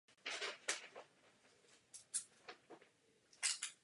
Hrabě z Luny měl na krále velký vliv a pokoušel se ovlivňovat i Isabelu.